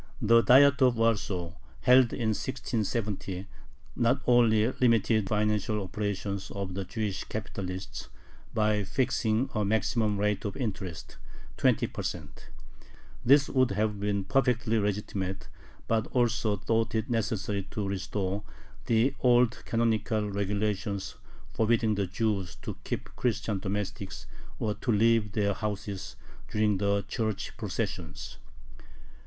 The Diet of Warsaw held in 1670 not only limited the financial operations of Jewish capitalists by fixing a maximum rate of interest (20%) this would have been perfectly legitimate but also thought it necessary to restore the old canonical regulations forbidding the Jews to keep Christian domestics or to leave their houses during the Church processions.